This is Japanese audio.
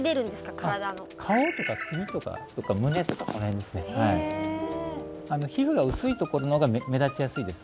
身体の顔とか首とか胸とかこの辺ですねへえ皮膚が薄いところの方が目立ちやすいです